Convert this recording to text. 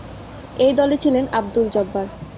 এই দলে ছিলেন আবদুল জব্বার।